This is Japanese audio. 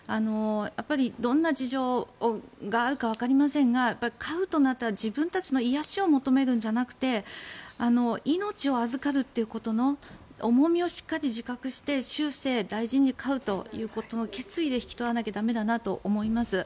どんな事情があるかわかりませんが飼うとなったら自分たちの癒やしを求めるんじゃなくて命を預かるということの重みをしっかり自覚して終生大事に飼うということの決意で引き取らなきゃ駄目だなと思います。